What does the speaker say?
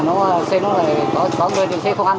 nếu chức năng hỗ trợ thì em rất cảm ơn nhà nước